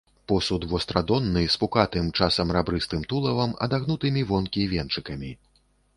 Посуд вастрадонны з пукатым, часам рабрыстым тулавам, адагнутымі вонкі венчыкамі.